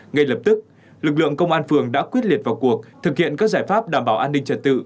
ngay lập tức lực lượng công an phường đã quyết liệt vào cuộc thực hiện các giải pháp đảm bảo an ninh trật tự